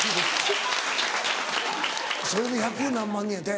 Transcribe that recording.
それで１００何万人やて？